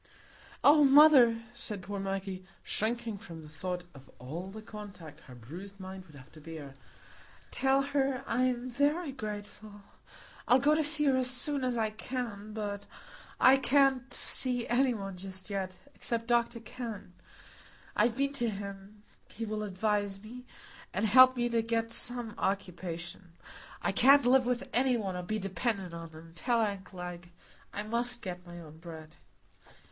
"Oh, mother," said poor Maggie, shrinking from the thought of all the contact her bruised mind would have to bear, "tell her I'm very grateful; I'll go to see her as soon as I can; but I can't see any one just yet, except Dr Kenn. I've been to him,—he will advise me, and help me to get some occupation. I can't live with any one, or be dependent on them, tell aunt Glegg; I must get my own bread.